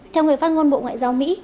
theo người phát ngôn bộ ngoại giao mỹ